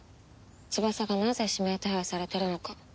翼がなぜ指名手配されてるのか。